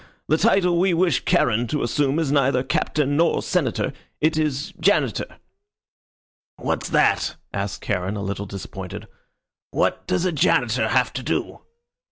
The title we wish Charon to assume is neither Captain nor Senator; it is Janitor." "What's that?" asked Charon, a little disappointed. "What does a Janitor have to do?"